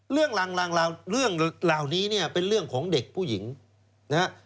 เรื่องเหล่านี้เป็นเรื่องของเด็กผู้หญิงนะฮะ